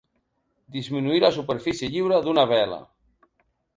Disminuir la superfície lliure d'una vela.